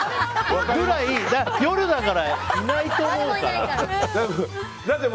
それぐらい、夜だから誰もいないと思うから。